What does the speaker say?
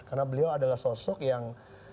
karena beliau adalah sosok yang